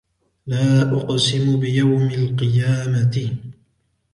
لا أُقْسِمُ بِيَوْمِ الْقِيَامَةِ